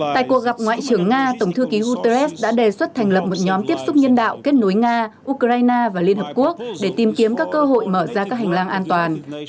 tại cuộc gặp ngoại trưởng nga tổng thư ký guterres đã đề xuất thành lập một nhóm tiếp xúc nhân đạo kết nối nga ukraine và liên hợp quốc để tìm kiếm các cơ hội mở ra các hành lang an toàn